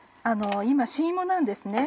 今新芋なんですね。